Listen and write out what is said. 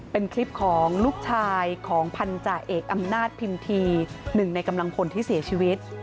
เป็นคลิปของลูกชายของพันธาเอกอำนาจพิมพีหนึ่งในกำลังพลที่เสียชีวิต